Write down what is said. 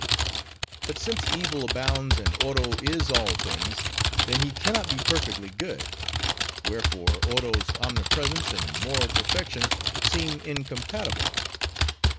But since evil abounds, and Oro is all things, then he can not be perfectly good; wherefore, Oro's omnipresence and moral perfection seem incompatible.